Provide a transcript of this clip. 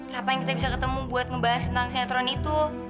ngapain kita bisa ketemu buat ngebahas tentang sinetron itu